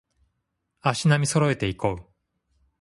足並み揃えていこう